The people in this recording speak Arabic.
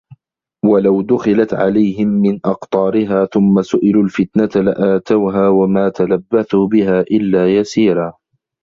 وَلَو دُخِلَت عَلَيهِم مِن أَقطارِها ثُمَّ سُئِلُوا الفِتنَةَ لَآتَوها وَما تَلَبَّثوا بِها إِلّا يَسيرًا